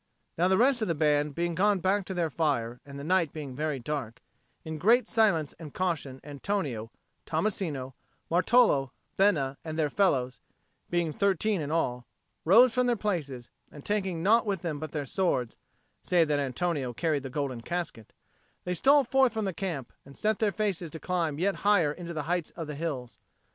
Now the rest of the band being gone back to their fire and the night being very dark, in great silence and caution Antonio, Tommasino, Martolo, Bena, and their fellows being thirteen in all rose from their places, and taking naught with them but their swords (save that Antonio carried the golden casket), they stole forth from the camp, and set their faces to climb yet higher into the heights of the hills.